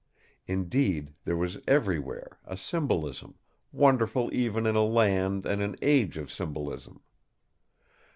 Indeed, there was everywhere a symbolism, wonderful even in a land and an age of symbolism.